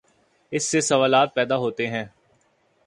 اس سے سوالات پیدا ہوتے ہیں۔